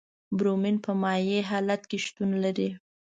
برومین په مایع حالت کې شتون لري.